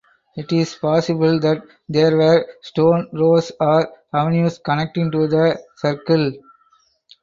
It is possible that there were stone rows or avenues connecting to the circle.